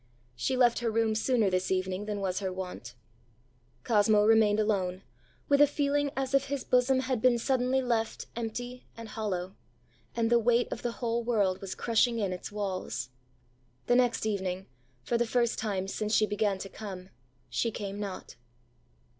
She left her room sooner this evening than was her wont. Cosmo remained alone, with a feeling as if his bosom had been suddenly left empty and hollow, and the weight of the whole world was crushing in its walls. The next evening, for the first time since she began to come, she came not.